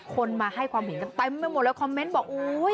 คนมาให้ความหินกันเติมไม่หมดแล้วคอมเมนต์บอก